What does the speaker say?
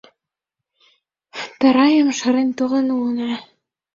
Тарайым шарен толын улына.